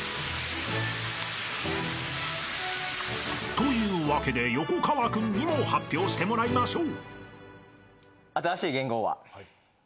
［というわけで横川君にも発表してもらいましょう］